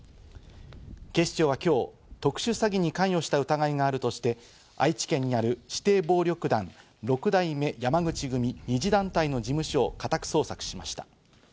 警視庁は今日、特殊詐欺に関与した疑いがあるとして、愛知県にある指定暴力団・六代目山口組２次団体の事務所を家宅捜索しました。